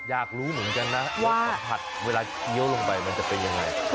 อยากรู้เหมือนกันนะว่าสัมผัสเวลาเคี้ยวลงไปมันจะเป็นยังไง